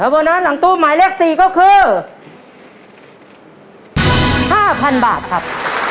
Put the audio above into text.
และโบนัสหลังตู้หมายเลขสี่ก็คือห้าพันบาทครับ